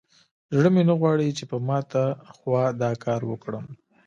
زړه مې نه غواړي چې په ماته خوا دا کار وکړم.